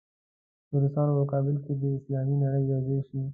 د روسانو په مقابل کې دې اسلامي نړۍ یو ځای شي.